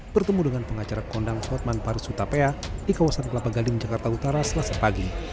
bertemu dengan pengacara kondang hotman paris hutapea di kawasan kelapa gading jakarta utara selasa pagi